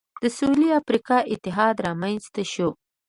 د سوېلي افریقا اتحاد رامنځته شو.